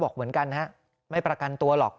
แม่พึ่งจะเอาดอกมะลิมากราบเท้า